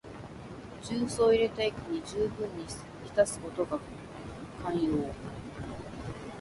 重曹を入れた液にじゅうぶんに浸すことが肝要。